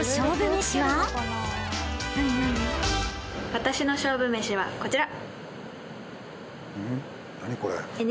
私の勝負めしはこちら。